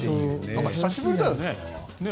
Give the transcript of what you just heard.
久しぶりだよね。